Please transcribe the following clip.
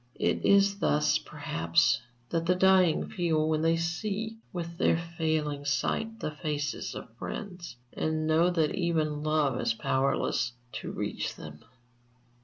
It is thus, perhaps, that the dying feel when they see, with their failing sight, the faces of friends, and know that even love is powerless to reach them.